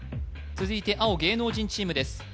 続いて青芸能人チームです